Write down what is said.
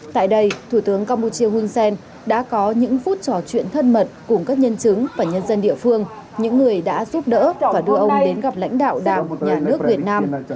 tại đây thủ tướng campuchia hun sen đã có những phút trò chuyện thân mật cùng các nhân chứng và nhân dân địa phương những người đã giúp đỡ và đưa ông đến gặp lãnh đạo đảng nhà nước việt nam